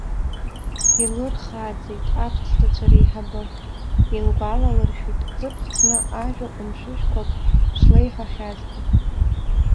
Илырхааӡеит аԥссацәа реиҳабы, илгәалалыршәеит ҵыԥх зны ажәа ҟәымшәышәқәак шлеиҳәахьазгьы.